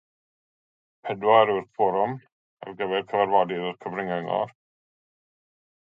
Pedwar yw'r cworwm ar gyfer cyfarfodydd o'r Cyfrin Gyngor.